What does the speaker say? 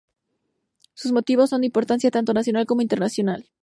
Sus motivos son de importancia tanto nacional como internacional.